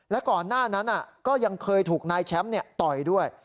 และก่อนหน้านั้นก็ยังเคยถูกนายแชมป์ต่อยด้วย